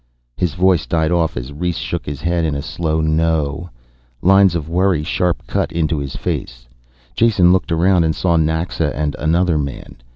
His voice died off as Rhes shook his head in a slow no, lines of worry sharp cut into his face. Jason looked around and saw Naxa and another man.